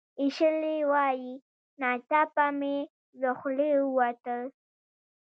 اشلي وايي "ناڅاپه مې له خولې ووتل